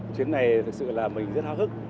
chuyến này thực sự là mình rất hào hức